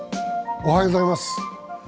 おはようございます。